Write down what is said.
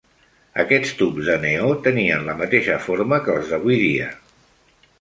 Aquests tubs de neó tenien la mateixa forma que els d'avui dia.